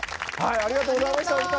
ありがとうございましたお二人。